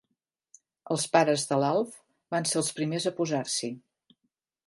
Els pares de l'Alf van ser els primers a posar-s'hi.